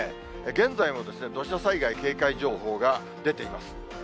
現在も土砂災害警戒情報が出ています。